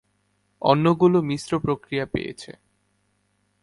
অন্যগুলো মিশ্র প্রতিক্রিয়া পেয়েছে।